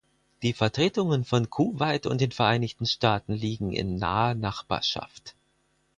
Die Vertretungen von Kuwait und den Vereinigten Staaten liegen in naher Nachbarschaft.